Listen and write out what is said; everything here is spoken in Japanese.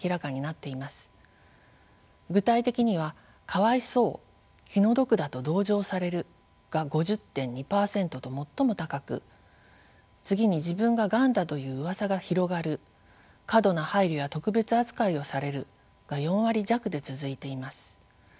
具体的には「かわいそう気の毒だと同情される」が５０．２％と最も高く次に「自分が『がん』だといううわさが広がる」「過度な配慮や特別扱いをされる」が４割弱で続いています。